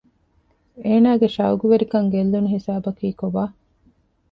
އޭނާގެ ޝައުޤުވެރިކަން ގެއްލުނު ހިސާބަކީ ކޮބާ؟